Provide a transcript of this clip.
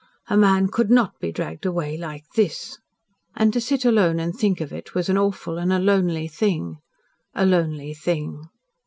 A man COULD not be dragged away like THIS!" And to sit alone and think of it was an awful and a lonely thing a lonely thing.